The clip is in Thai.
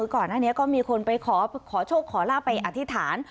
ก่อนหน้านี้ก็มีคนไปขอโชคขอลาบไปอธิษฐาน